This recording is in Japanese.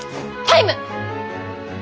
タイム？